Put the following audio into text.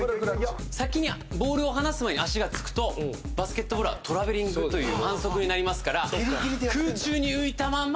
先に、ボールを離す前に足がつくとバスケットボールはトラベリングという反則になりますから空中に浮いたまま。